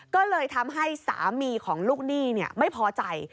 ก็เลยทำให้สามีของลูกหนี้ไม่พอใจ